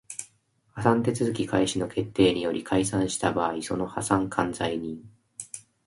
破産手続開始の決定により解散した場合その破産管財人